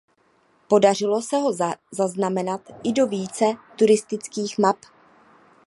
Podařilo se ho zaznamenat i do více turistických map.